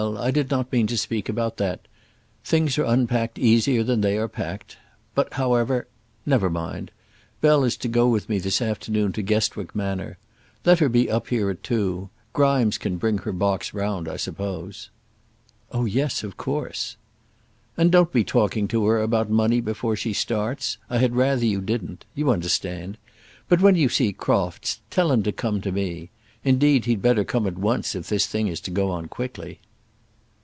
I did not mean to speak about that. Things are unpacked easier than they are packed. But, however Never mind. Bell is to go with me this afternoon to Guestwick Manor. Let her be up here at two. Grimes can bring her box round, I suppose." "Oh, yes: of course." "And don't be talking to her about money before she starts. I had rather you didn't; you understand. But when you see Crofts, tell him to come to me. Indeed, he'd better come at once, if this thing is to go on quickly."